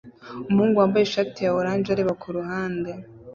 Umuhungu wambaye ishati ya orange areba kuruhande